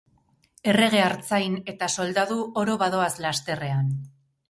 Errege, artzain eta soldadu, oro badoaz lasterrean.